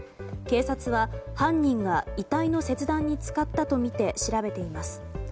警察は、犯人が遺体の切断に使ったとみて調べています。